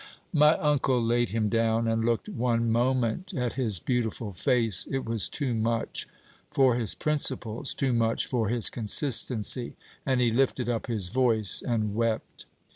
My uncle laid him down, and looked one moment at his beautiful face. It was too much for his principles, too much for his consistency, and "he lifted up his voice and wept."